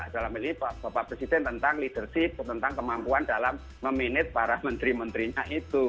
dalam ini bapak presiden tentang leadership tentang kemampuan dalam memanage para menteri menterinya itu